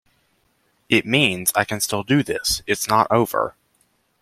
It means, I can still do this, it's not over.